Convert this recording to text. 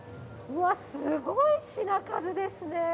うわっ、すごい品数ですね。